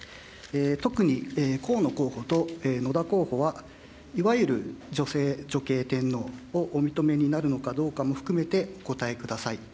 特に河野候補と野田候補は、いわゆる女性女系天皇をお認めになるかどうかも含めて、お答えください。